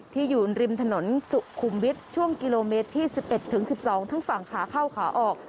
อยู่ริมถนนสุขุมวิทย์ช่วงกิโลเมตรที่๑๑ถึง๑๒ทั้งฝั่งขาเข้าขาออก